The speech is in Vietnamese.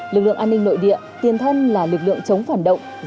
lực lượng an ninh nội địa tiền thân là lực lượng chống phản động